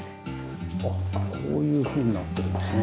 あっこういうふうになってるんですね。